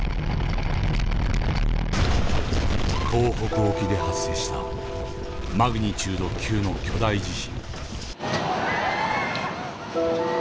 東北沖で発生したマグニチュード９．０の巨大地震。